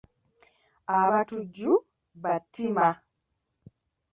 Abatujju battima